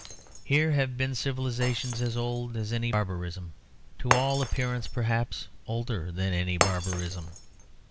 Here have been civilisations as old as any barbarism; to all appearance perhaps older than any barbarism.